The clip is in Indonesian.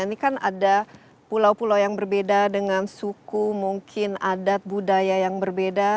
ini kan ada pulau pulau yang berbeda dengan suku mungkin adat budaya yang berbeda